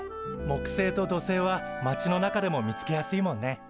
木星と土星は町の中でも見つけやすいもんね。